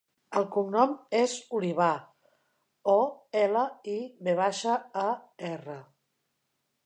El cognom és Olivar: o, ela, i, ve baixa, a, erra.